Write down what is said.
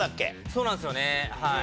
そうなんですよねはい。